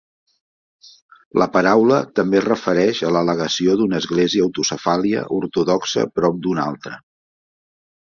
La paraula també es refereix a la legació d'una Església autocefàlia ortodoxa prop d'una altra.